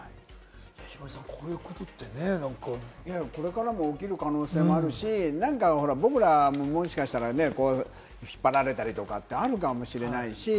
ヒロミさん、こういうことってね、これからも起きる可能性もあるし、僕らも、もしかしたら引っ張られたりとかってあるかもしれないし。